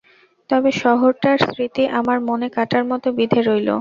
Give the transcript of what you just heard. তবে শহরটার স্মৃতি আমার মনে কাঁটার মতো বিধে রইল।